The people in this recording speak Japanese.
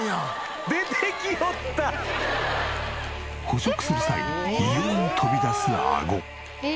捕食する際異様に飛び出すアゴ。